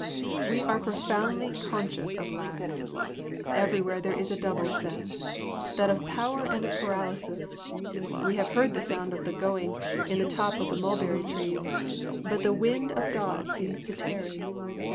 We are profoundly conscious of lack. Every where there is a double sense, that of power and of paralysis. We have heard the sound of the going in the top of the mulberry trees, but the wind of God seems to tarry.